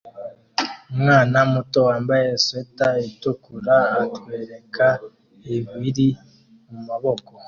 Umwana muto wambaye swater itukura atwereka ibiri mumaboko